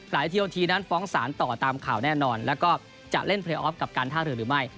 ทีโอทีนั้นฟ้องสารต่อตามข่าวแน่นอนแล้วก็จะเล่นเพลย์ออฟกับการท่าเรือหรือไม่